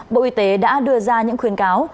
bộ y tế đã đưa ra những khuyên cáo